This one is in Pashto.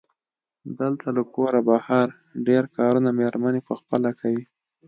دلته له کوره بهر ډېری کارونه مېرمنې پخپله کوي.